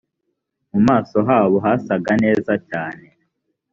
mu maso habo hasaga neza cyane